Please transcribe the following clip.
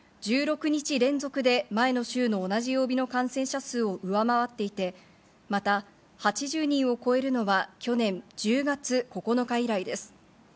１６日連続で前の週の同じ曜日の感染者数を上回っていて、また８０人を超えるのは去年１０月９日以来です。